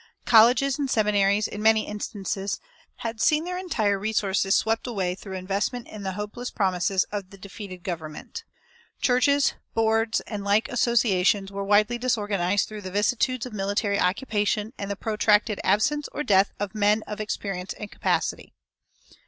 Colleges and seminaries, in many instances, had seen their entire resources swept away through investment in the hopeless promises of the defeated government. Churches, boards, and like associations were widely disorganized through the vicissitudes of military occupation and the protracted absence or the death of men of experience and capacity.